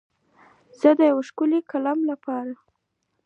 زه د یو ښکلی کلام دپاره